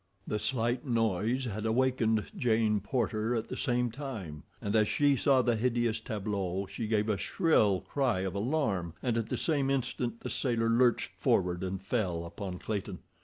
The slight noise had awakened Jane Porter at the same time, and as she saw the hideous tableau she gave a shrill cry of alarm, and at the same instant the sailor lurched forward and fell upon Clayton.